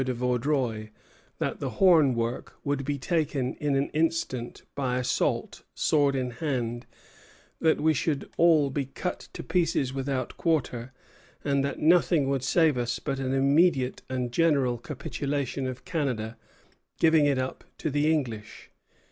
de Vaudreuil 'that the hornwork would be taken in an instant by assault, sword in hand; that we all should be cut to pieces without quarter; and that nothing would save us but an immediate and general capitulation of Canada, giving it up to the English.'"